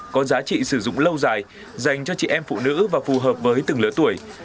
có giá trị sử dụng lâu dài dành cho chị em phụ nữ và phù hợp với từng lứa tuổi